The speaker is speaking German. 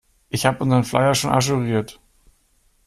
Ich hab unseren Flyer schon ajouriert.